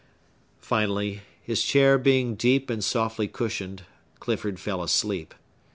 Finally, his chair being deep and softly cushioned, Clifford fell asleep.